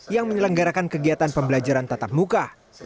yang menyelenggarakan kegiatan pembelajaran tatap muka